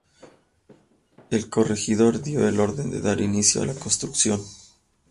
El corregidor dio la orden de dar inicio a la construcción.